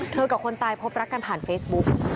กับคนตายพบรักกันผ่านเฟซบุ๊ก